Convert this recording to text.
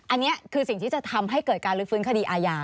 อันนี้คือสิ่งที่จะทำให้เกิดการลื้อฟื้นคดีอาญา